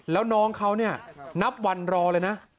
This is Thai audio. แล้วน้องเขาเนี่ยนับวันรอเลยนะ